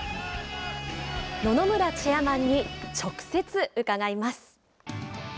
野々村チェアマンに直接伺います。